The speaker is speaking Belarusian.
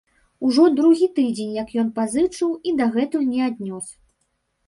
Ужо другі тыдзень, як ён пазычыў і дагэтуль не аднёс.